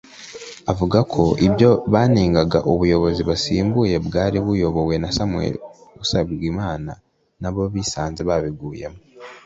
Avuga ko ibyo banengaga ubuyobozi basimbuye (Bwari buyobowe na Samuel Usabwimana) nabo bisanze barabiguyemo